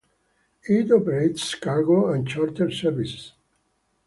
It operates cargo and charter services.